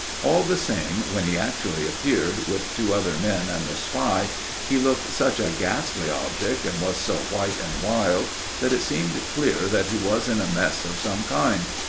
All the same, when he actually appeared, with two other men and the spy, he looked such a ghastly object, and was so white and wild, that it seemed clear that he was in a mess of some kind.